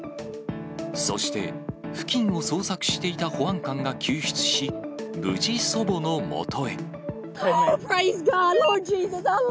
そして、付近を捜索していた保安官が救出し、無事、祖母のもとへ。